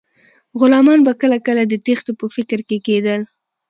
غلامان به کله کله د تیښتې په فکر کې کیدل.